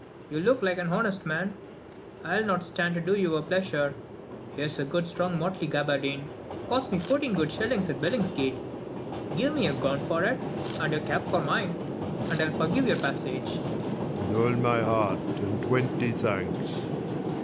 you look like an honest man ; I'll not stand to do you a pleasure : here's a good strong motley gaberdine, cost me fourteen good shillings at Billings gate ; give me your gown for it, and your cap for mine, and I'll forgive your passage. 20 Sc. in] HIS THREE DAUGHTERS 81 Leir. With all my heart, and twenty thanks.